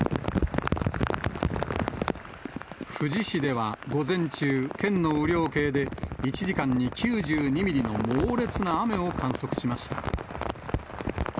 富士市では午前中、県の雨量計で１時間に９２ミリの猛烈な雨を観測しました。